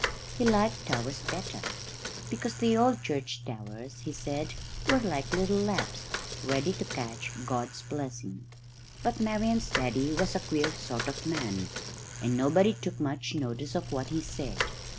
He liked towers better, because the old church towers, he said, were like little laps, ready to catch God's blessing. But Marian's daddy was a queer sort of man, and nobody took much notice of what he said.